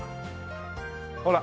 ほら。